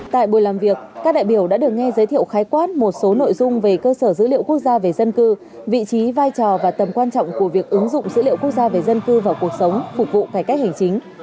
tại buổi làm việc các đại biểu đã được nghe giới thiệu khái quát một số nội dung về cơ sở dữ liệu quốc gia về dân cư vị trí vai trò và tầm quan trọng của việc ứng dụng dữ liệu quốc gia về dân cư vào cuộc sống phục vụ cải cách hành chính